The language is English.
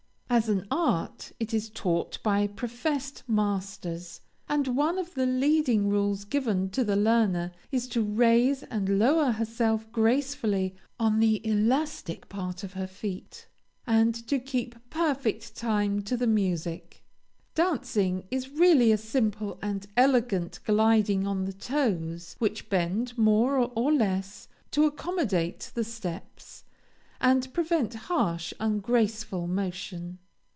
As an art it is taught by professed masters; and one of the leading rules given to the learner is to raise and lower herself gracefully on the elastic part of her feet, and to keep perfect time to the music. Dancing is really a simple and elegant gliding on the toes, which bend more or less to accommodate the steps, and prevent harsh, ungraceful motion.